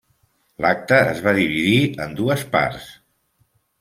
L'acte es va dividir en dues parts.